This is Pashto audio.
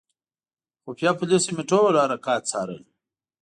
خفیه پولیسو مې ټول حرکات څارل.